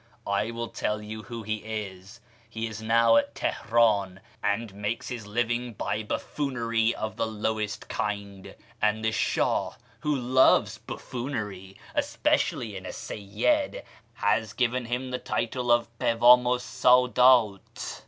I will tell you who he is : he is now at Teheriin, and makes his living by buffoonery of the lowest kind, and the Shiili, who loves bulloonery, especially in a Seyyid, has given him the title of Kiivdmu 's Sdddt.